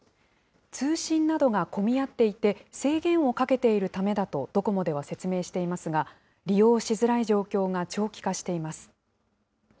通信などが混み合っていて、制限をかけているためだとドコモでは説明していますが、利用しづらい状況が長期化しています。